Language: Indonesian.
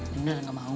bener gak mau